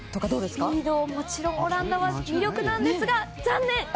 スピードも、もちろんオランダの魅力ですが残念！